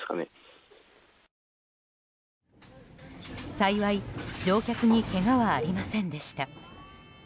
幸い乗客にけがはありませんでした。